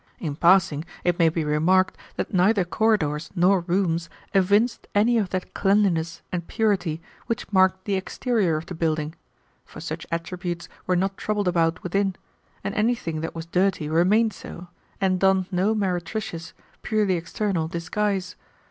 In passing it may be remarked that neither corridors nor rooms evinced any of that cleanliness and purity which marked the exterior of the building, for such attributes were not troubled about within, and anything that was dirty remained so, and donned no meritricious, purely external, disguise.